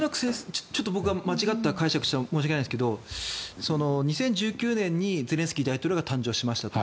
僕は間違った解釈をしてたら申し訳ないですけど２０１９年にゼレンスキー大統領が誕生しましたと。